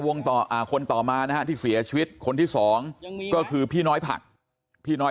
คนต่อมานะฮะที่เสียชีวิตคนที่สองก็คือพี่น้อยผักพี่น้อย